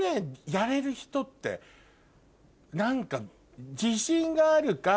やれる人って何か自信があるか